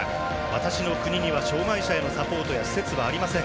私の国には障がい者へのサポートや施設はありません。